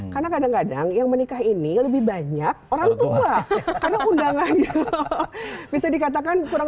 karena kadang kadang yang menikah ini lebih banyak orang tua karena undangannya bisa dikatakan kurang